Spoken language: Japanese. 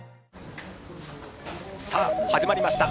さあ始まりました。